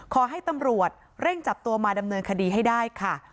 ขอให้ตำรวจเร่งจับตัวมาดำเนินคดีให้ได้ค่ะ